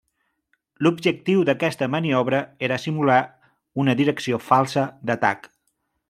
L'objectiu d'aquesta maniobra era simular una direcció falsa d'atac.